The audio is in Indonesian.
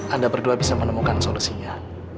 anda berdua bisa menemukan solusinya